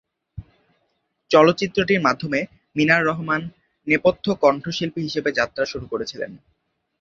চলচ্চিত্রটির মাধ্যমে মিনার রহমান নেপথ্য কণ্ঠশিল্পী হিসেবে যাত্রা শুরু করেছিলেন।